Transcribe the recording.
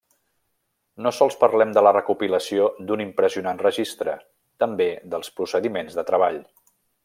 No sols parlem de la recopilació d'un impressionant registre, també dels procediments de treball.